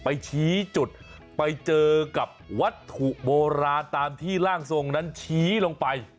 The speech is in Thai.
ไปชี้จุดไปเจอกับวัตถุโบราณตามที่ร่างทรงนั้นชี้ลงไป